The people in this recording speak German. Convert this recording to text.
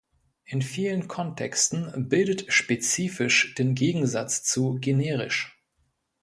In vielen Kontexten bildet „spezifisch“ den Gegensatz zu „generisch“.